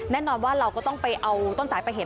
แน่นอนว่าเราก็ต้องไปเอาต้นสายไปเห็น